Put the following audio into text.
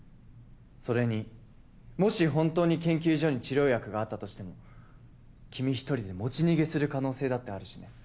それにもし本当に研究所に治療薬があったとしても君１人で持ち逃げする可能性だってあるしね。